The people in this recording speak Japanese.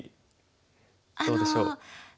どうでしょう？